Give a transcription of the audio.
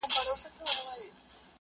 زه په کور کي بېدېږم.